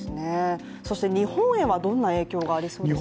そして日本へはどんな影響がありそうですか？